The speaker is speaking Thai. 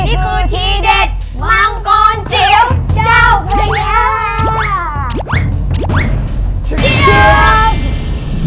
นี่คือทีเด็ดมังกรเจี๋ยวเจ้าเพลงนี้ค่ะ